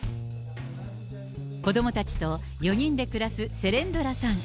子どもたちと４人で暮らすセレンドラさん。